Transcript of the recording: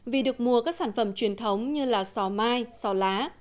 vì được mua các sản phẩm truyền thống như là sò mai sò lá